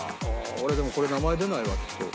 俺でもこれ名前出ないわきっと。